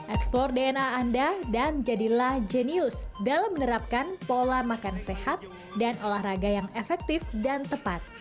ekspor dna anda dan jadilah jenius dalam menerapkan pola makan sehat dan olahraga yang efektif dan tepat